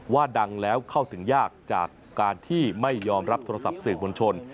ว่าดังแล้วเข้าถึงยากจากการที่ไม่ยอมรับโทรศัพท์สื่อมวลชน